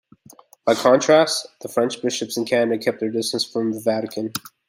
By contrast, the French bishops in Canada kept their distance from the Vatican.